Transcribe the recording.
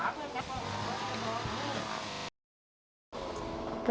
ฝ่ามือ